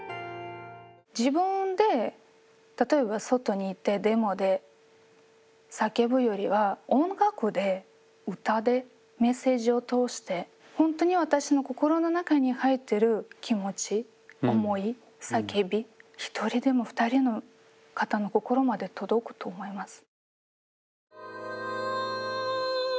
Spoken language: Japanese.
自分で例えば外に行ってデモで叫ぶよりは音楽で歌でメッセージを通してほんとに私の心の中に入ってる気持ち思い叫び１人でも２人の方の心まで届くと思います。